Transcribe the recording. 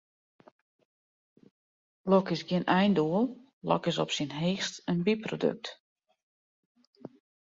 Lok is gjin eindoel, lok is op syn heechst in byprodukt.